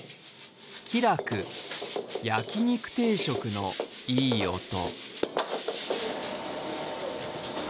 喜楽、焼肉定食のいい音。